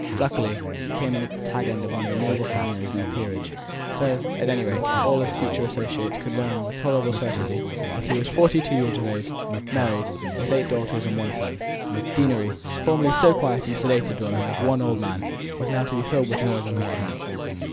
Luckily he came in at the tag end of one of the noble families in the peerage; so, at any rate, all his future associates could learn with tolerable certainty that he was forty two years of age, married, and with eight daughters and one son. The deanery, formerly so quiet and sedate a dwelling of the one old man, was now to be filled with noise and merriment.